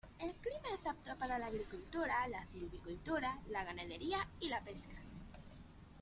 El clima es apto para la agricultura, la silvicultura, la ganadería y la pesca.